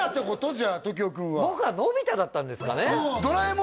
じゃあ時生君は僕はのび太だったんですかね